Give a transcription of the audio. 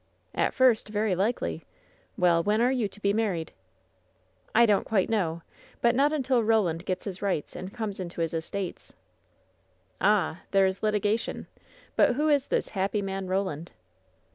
"At first, very likely ! Well, when are you to be mar ried T "I don't quite know.. But not until Koland gets his rights and comes into his estates." "Ah! there is litigation? But who is this happy man Eoland?"